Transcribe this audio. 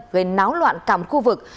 gây náo loạn cằm khu vực